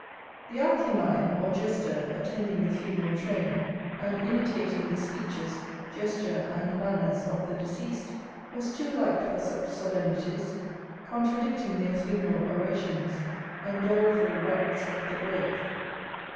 The archimime, or jester, attending the funeral train, and imitating the speeches, gesture, and manners of the deceased, was too light for such solemnities, contradicting their funeral orations and doleful rites of the grave.